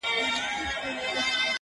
پر هندو او مسلمان یې سلطنت وو؛